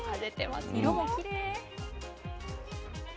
色もきれい。